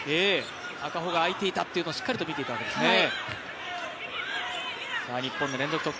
赤穂が空いていたというのをしっかり見ていたということですね。